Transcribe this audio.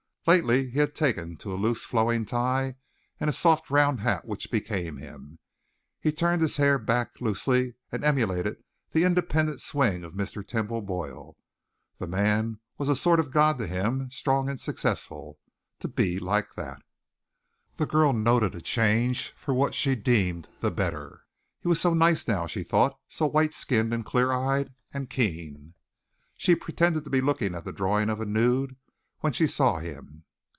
Lately he had taken to a loose, flowing tie and a soft round hat which became him. He turned his hair back loosely and emulated the independent swing of Mr. Temple Boyle. That man was a sort of god to him strong and successful. To be like that! The girl noted a change for what she deemed the better. He was so nice now, she thought, so white skinned and clear eyed and keen. She pretended to be looking at the drawing of a nude when she saw him.